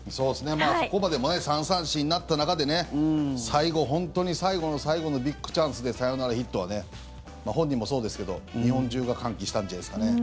ここまで前、３三振なった中で最後、本当に最後の最後のビッグチャンスでサヨナラヒットは本人もそうですけど日本中が歓喜したんじゃないですかね。